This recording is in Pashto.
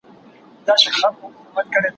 مصیبت دي پر وېښتانو راوستلی؟